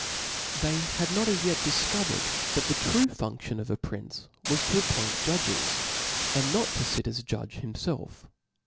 They had not as yet difcovercd that the true function of a prince was to appoint judges, and not to fit as judge himfelf.